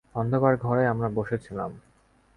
অন্ধকার ঘরেই আমরা বসে ছিলাম।